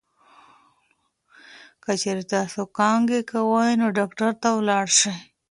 که چېرې تاسو کانګې کوئ، نو ډاکټر ته ورشئ.